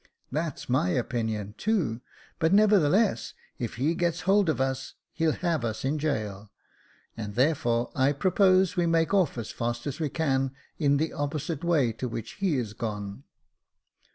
" That's my opinion, too ; but, nevertheless, if he gets hold of us, he'll have us in gaol ; and therefore I propose we make off as fast as we can in the opposite way to which he is gone."